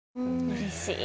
うれしい。